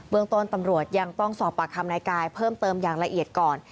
เมืองต้นตำรวจยังต้องสอบปากคำนายกายเพิ่มเติมอย่างละเอียดก่อน